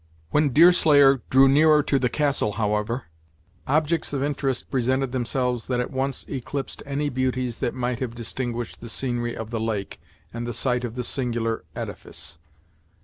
When Deerslayer drew nearer to the castle, however, objects of interest presented themselves that at once eclipsed any beauties that might have distinguished the scenery of the lake, and the site of the singular edifice.